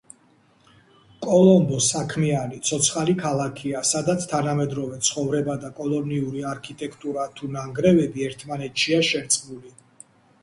კოლომბო საქმიანი, ცოცხალი ქალაქია, სადაც თანამედროვე ცხოვრება და კოლონიური არქიტექტურა თუ ნანგრევები ერთმანეთშია შერწყმული.